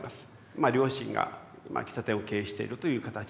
まあ両親が喫茶店を経営しているという形で。